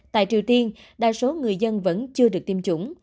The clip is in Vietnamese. tại triều tiên đa số người dân vẫn chưa được tiêm chủng